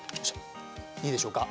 いいでしょうか？